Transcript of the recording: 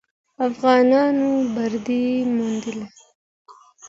افغانانو بری وموند.